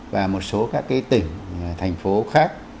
và một số các cái tỉnh thành phố khác